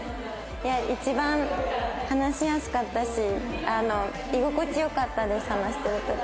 一番話しやすかったし居心地良かったです話してる時。